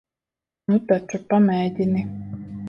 Nu taču, pamēģini.